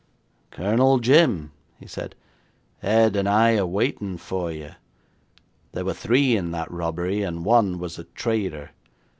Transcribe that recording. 'Colonel Jim,' he said, 'Ed and I are waiting for you. There were three in that robbery, and one was a traitor.